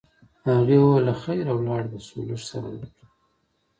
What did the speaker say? هغې وویل: له خیره ولاړ به شو، لږ صبر وکړه.